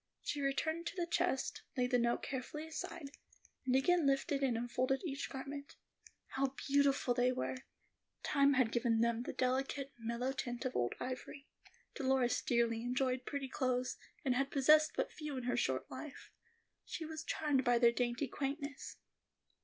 She returned to the chest, laid the note carefully aside, and again lifted out and unfolded each garment. How beautiful they were! Time had given them the delicate, mellow tint of old ivory. Dolores dearly enjoyed pretty clothes, and had possessed but few in her short life. She was charmed by their dainty quaintness.